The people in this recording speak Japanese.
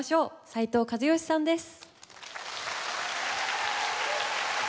斉藤和義さんです。